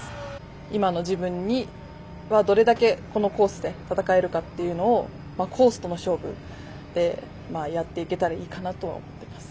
今の自分には、どれだけこのコースで戦えるかというのをコースとの勝負でやっていけたらいいかなとは思ってます。